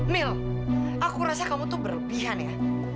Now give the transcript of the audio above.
mil aku rasa kamu tuh berlebihan ya